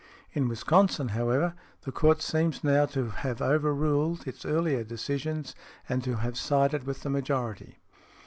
In Wisconsin, however, the court seems now to have overruled its earlier decisions, and to have sided with the majority .